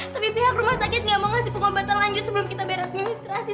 tapi pihak rumah sakit nggak mau ngasih pengobatan lanjut sebelum kita beradministrasi